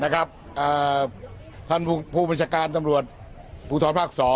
ท่านผู้บริการตำรวจภูท้อนภาค๒